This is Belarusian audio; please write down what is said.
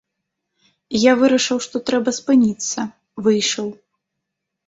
І я вырашыў што трэба спыніцца, выйшаў.